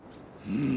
うん。